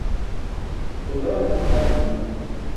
Xudaa mo har juwan.